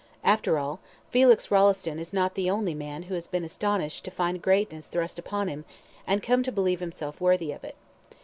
After all, Felix Rolleston is not the only man who has been astonished to find greatness thrust upon him, and come to believe himself worthy of it.